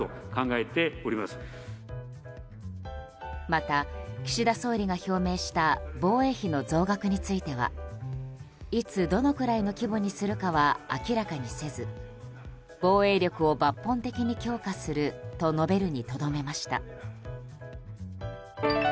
また、岸田総理が表明した防衛費の増額についてはいつどのくらいの規模にするかは明らかにせず防衛力を抜本的に強化すると述べるにとどめました。